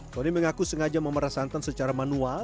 tony mengaku sengaja memeras santan secara manual